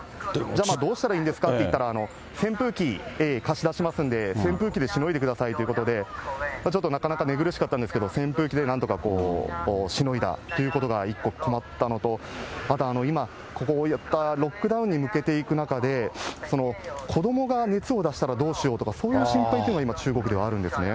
どうしたらいいんですかっていったら、扇風機、貸し出しますんで、扇風機でしのいでくださいということで、ちょっとなかなか寝苦しかったんですけど、扇風機でなんとかしのいだということが、一個困ったのと、また今、こういったロックダウンに向けていく中で、子どもが熱を出したらどうしようとか、そういう心配というのが今、中国ではあるんですね。